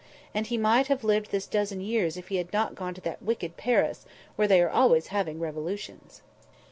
And he might have lived this dozen years if he had not gone to that wicked Paris, where they are always having revolutions."